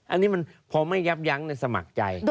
อันนี้มันพอไม่ยับยั้งสมัครใจ